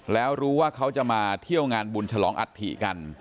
แล้วรู้ว่าเขาจะมาเที่ยวงานบุญฉลองอัฐิกัน